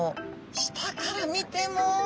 下から見ても。